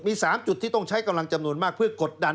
มี๓จุดที่ต้องใช้กำลังจำนวนมากเพื่อกดดัน